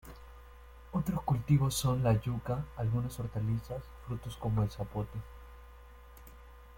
Otros cultivos son la yuca, algunas hortalizas, frutos como el zapote.